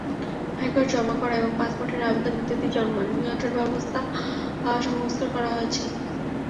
আয়কর জমা করা এবং পাসপোর্টের আবেদন ইত্যাদি নিয়ন্ত্রণব্যবস্থা সংস্কার করা হয়েছে।